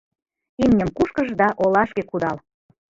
Имньым кушкыж да олашке кудал.